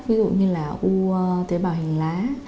ví dụ như là u tế bào hình lá